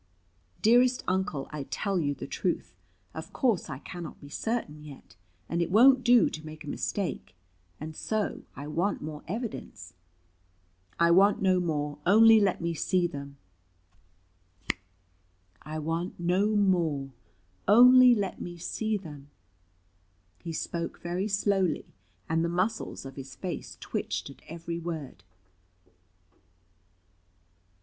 "Dearest Uncle, I tell you the truth. Of course I cannot be certain yet, and it won't do to make a mistake; and so I want more evidence." "I want no more. Only let me see them." He spoke very slowly, and the muscles of his face twitched at every word.